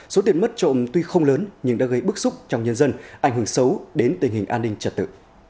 số tiền mất trộm tuy không lớn nhưng đã gây bức xúc trong nhân dân ảnh hưởng xấu đến tình hình an ninh trật tự